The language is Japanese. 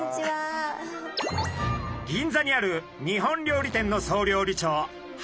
銀座にある日本料理店の総料理長橋口さん。